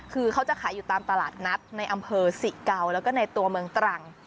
คือเขาจะขายอยู่ตามตลาดนัดในอำเภอสิเกาแล้วก็ในตัวเมืองตรัง